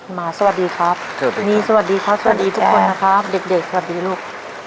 หมาสวัสดีครับสวัสดีครับสวัสดีทุกคนนะครับเด็กสวัสดีลูก